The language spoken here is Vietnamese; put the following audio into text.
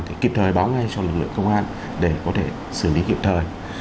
thì kịp thời báo ngay cho lực lượng công an để có thể xử lý kịp thời